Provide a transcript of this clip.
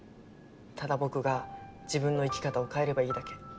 ただ僕が自分の生き方を変えればいいだけ。